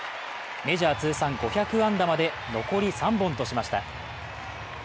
メジャー通算５００安打まで残り３本としました。